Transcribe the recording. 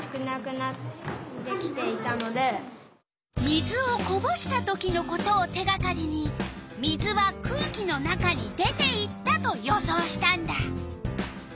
水をこぼした時のことを手がかりに水は空気の中に出ていったと予想したんだ。